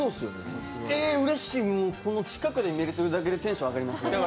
うれしい、近くで見れるだけでテンション上がりますね。